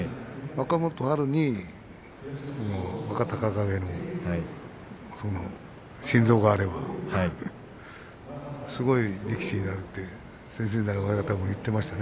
若元春に若隆景の心臓があればすごい力士になると先々代の親方も言っていました。